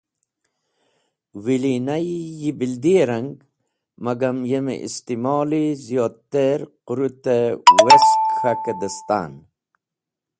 Wilinayi yi bildi-e rang magam yem-e istimoli ziyodter qũrũt e westk k̃hak dẽstan.